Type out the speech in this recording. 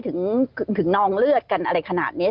ถึงนองเลือดกันอะไรขนาดนี้